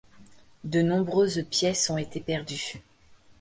De nombreuses pièces ont été perdues.